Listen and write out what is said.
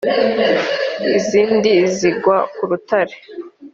izindi zigwa ku rutare